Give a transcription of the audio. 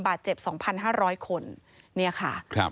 บาดเจ็บ๒๕๐๐คนเนี่ยค่ะ